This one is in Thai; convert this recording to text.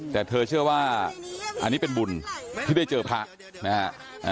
แต่เธอเชื่อว่าอันนี้เป็นบุญที่ได้เจอพระนะฮะ